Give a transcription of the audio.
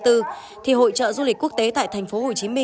thì hội trợ du lịch quốc tế tại tp hcm